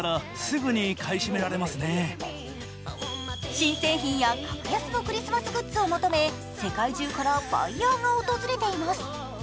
新製品や格安のクリスマスグッズを求め、世界中からバイヤーが訪れています。